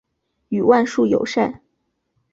与万树友善。